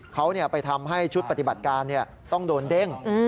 เขาไปทำให้ชุดปฏิบัติการต้องโดนเด้ง